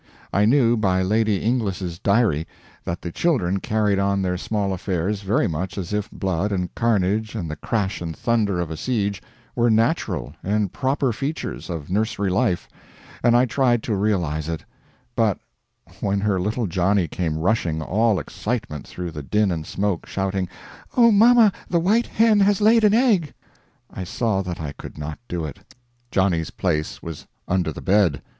I knew by Lady Inglis' diary that the children carried on their small affairs very much as if blood and carnage and the crash and thunder of a siege were natural and proper features of nursery life, and I tried to realize it; but when her little Johnny came rushing, all excitement, through the din and smoke, shouting, "Oh, mamma, the white hen has laid an egg!" I saw that I could not do it. Johnny's place was under the bed.